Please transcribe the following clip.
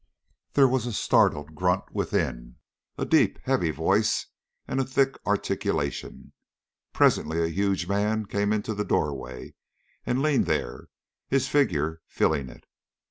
There was a startled grunt within, a deep, heavy voice and a thick articulation. Presently a huge man came into the doorway and leaned there, his figure filling it.